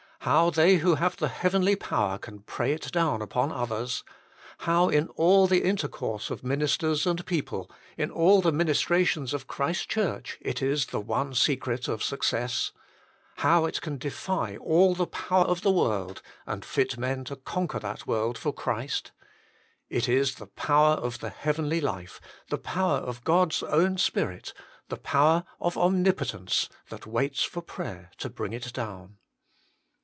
how they who have the heavenly power can pray it down upon others ? how in all the intercourse of ministers and people, in all the ministrations of Christ s Church, it is the one secret of success ? how it can defy all the power of the world, and fit men to conquer that world for Christ ? It is the power of the heavenly life, the power of God s own Spirit, the power of Omnipotence, that waits for prayer to bring it down.